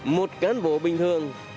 một cán bộ bình thường